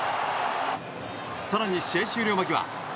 更に試合終了間際。